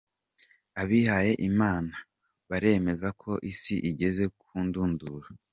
Abihaye Imana baremeza ko isi igeze ku ndunduro.